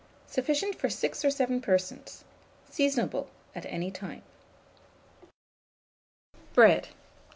Sufficient for 6 or 7 persons. Seasonable at any time. BREAD.